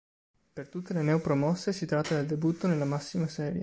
Per tutte le neopromosse si tratta del debutto nella massima serie.